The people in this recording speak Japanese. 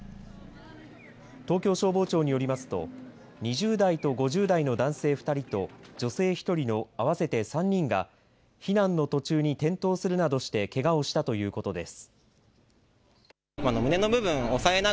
東京消防庁によりますと２０代と５０代の男性２人と女性１人の合わせて３人が避難の途中に転倒するなどしてけがをしたということです。